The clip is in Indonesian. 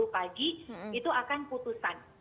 pagi itu akan putusan